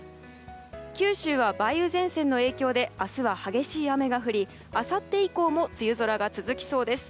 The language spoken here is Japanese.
九州は梅雨前線の影響で明日は激しい雨が降りあさって以降も梅雨空が続きそうです。